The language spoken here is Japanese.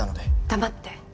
黙って。